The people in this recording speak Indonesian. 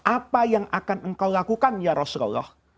apa yang akan engkau lakukan ya rasulullah